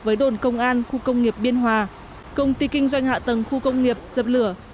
với đồn công an khu công nghiệp biên hòa công ty kinh doanh hạ tầng khu công nghiệp dập lửa